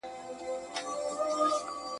چي ملالي پکښي ګرځي د وطن پر ګودرونو.